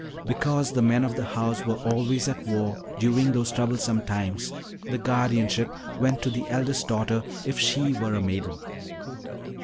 Because the men of the house were always at war during those troublesome times, the guardianship went to the eldest daughter if she were a maiden.